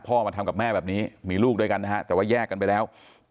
มาทำกับแม่แบบนี้มีลูกด้วยกันนะฮะแต่ว่าแยกกันไปแล้ว